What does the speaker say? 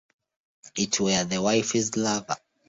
It were the wife's lover.